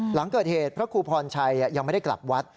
หลังเกิดเหตุพระครูพรชัยยังไม่ได้กลับวัด